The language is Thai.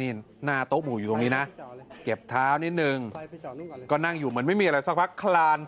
นี่หน้าโต๊ะหมู่อยู่ตรงนี้นะเก็บเท้านิดนึงก็นั่งอยู่เหมือนไม่มีอะไรสักพักคลาน